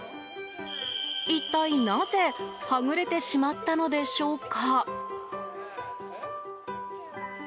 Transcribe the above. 一体なぜはぐれてしまったのでしょうか？